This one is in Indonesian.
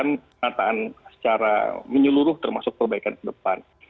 untuk melakukan penataan secara menyeluruh termasuk perbaikan ke depan